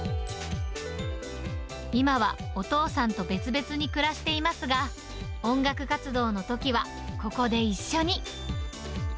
今はお父さんと別々に暮らしていますが、音楽活動のときは、ここで一緒に。